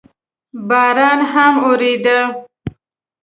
باران هم اورېده.